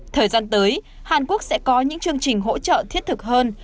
thời gian tới hàn quốc sẽ có những chương trình hỗ trợ thiết thực hơn